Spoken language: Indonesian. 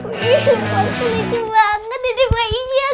masih lucu banget dede bayinya